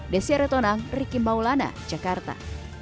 desyaretonang rikim maulana jakarta